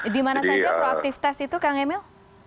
di mana saja proaktif tes itu kang emil